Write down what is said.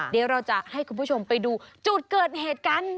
เดี๋ยวเราจะให้คุณผู้ชมไปดูจุดเกิดเหตุกัน